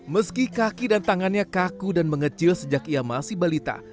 meski kaki dan tangannya kaku dan mengecil sejak ia masih balita